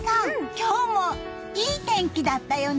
今日もいい天気だったよね！